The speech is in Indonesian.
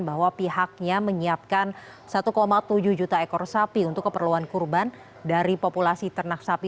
bahwa pihaknya menyiapkan satu tujuh juta ekor sapi untuk keperluan kurban dari populasi ternak sapi